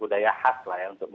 budaya khas dalam satu suku saja